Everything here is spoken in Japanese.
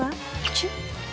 チュッ。